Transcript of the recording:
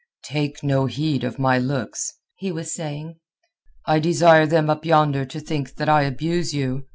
"Take no heed of my looks," he was saying. "I desire them up yonder to think that I abuse you.